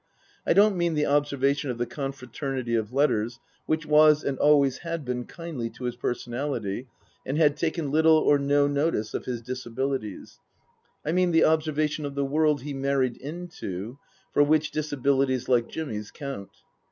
I don't mean the observation of the confraternity of letters, which was and always had been kindly to his personality, and had taken little or no notice of his disabilities ; I mean the observation of the world he married into, for which disabilities like Jimmy's count.